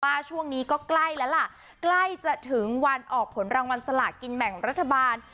ช่วงนี้ก็ใกล้แล้วล่ะใกล้จะถึงวันออกผลรางวัลสลากินแบ่งรัฐบาล